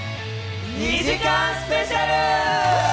２時間スペシャル！